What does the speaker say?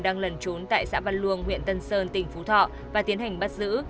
đang lẩn trốn tại xã văn luông huyện tân sơn tỉnh phú thọ và tiến hành bắt giữ